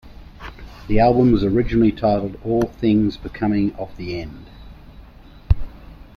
The album was originally titled All Things Becoming of the End.